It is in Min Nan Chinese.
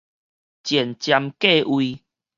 前瞻計畫